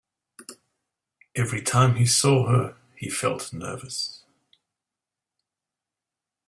Every time he saw her, he felt nervous.